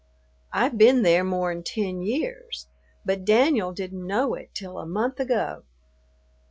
I've been there more 'n ten years, but Danyul didn't know it till a month ago.